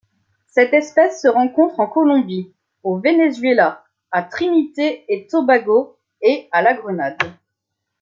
Cette espèce se rencontre en Colombie, au Venezuela, à Trinité-et-Tobago et à la Grenade.